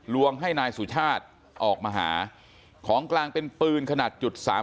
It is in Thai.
ลวงให้นายสุชาติออกมาหาของกลางเป็นปืนขนาด๓๘